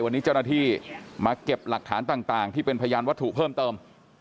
วันนี้เจ้าหน้าที่มาเก็บหลักฐานต่างที่เป็นพยานวัตถุเพิ่มเติม